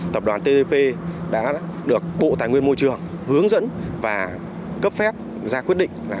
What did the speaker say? tập đoàn tp đã được bộ tài nguyên môi trường hướng dẫn và cấp phép ra quyết định